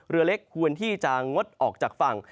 เรือเล็กควรที่จะงดออกจากฝั่ง